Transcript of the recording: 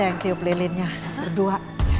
lihat tiup lilinnya berdua